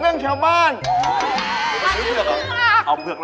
อ่ะนั่นแหละ